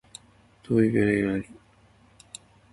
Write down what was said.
飛ぶに禽あり